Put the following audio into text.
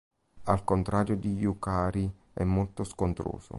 Al contrario di Yukari è molto scontroso.